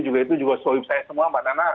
juga itu juga solib saya semua mbak nana